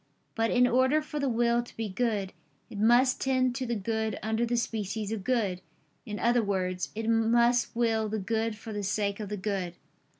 But in order for the will to be good, it must tend to the good under the species of good; in other words, it must will the good for the sake of the good.